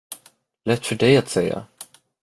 Lätt för dig att säga.